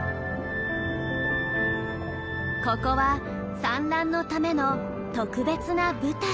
ここは産卵のための特別な舞台。